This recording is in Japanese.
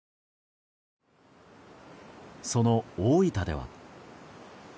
その大分では。